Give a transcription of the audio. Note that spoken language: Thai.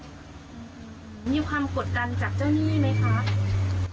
มีความกดดันจากเจ้าหนี้ไหมคะ